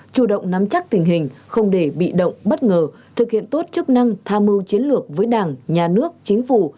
chủ động nắm chắc tình hình không để bị động bất ngờ thực hiện tốt chức năng tham mưu chiến lược với đảng nhà nước chính phủ